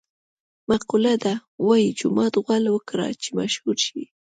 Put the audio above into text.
مقوله ده: وايي جومات غول وکړه چې مشهور شې.